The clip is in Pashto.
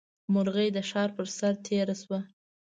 مرغۍ د ښار پر سر تېره شوه.